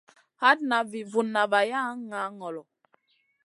Hatna vi vunna vaya ŋaa ŋolo.